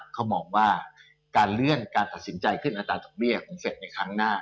เขามองว่าการเลื่อนการตัดสินใจขึ้นอัตราดอกเบี้ยของเสร็จในครั้งหน้า